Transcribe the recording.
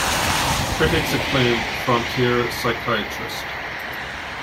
Critics acclaimed "Frontier Psychiatrist".